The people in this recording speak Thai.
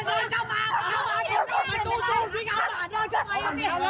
ออกมาเลย